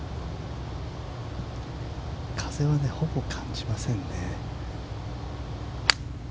風はほぼ感じませんね。